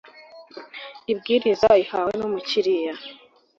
ibwiriza ihawe n umukiriya